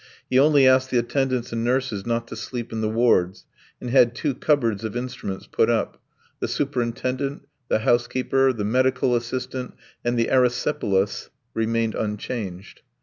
He only asked the attendants and nurses not to sleep in the wards, and had two cupboards of instruments put up; the superintendent, the housekeeper, the medical assistant, and the erysipelas remained unchanged.